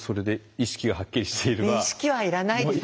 意識はいらないです